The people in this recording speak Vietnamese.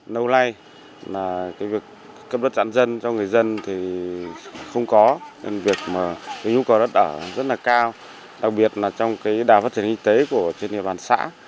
lâu nay cái việc cấp đất trản dân cho người dân thì không có nên việc mà cái nhu cầu đất ở rất là cao đặc biệt là trong cái đảo phát triển y tế của trên địa bàn xã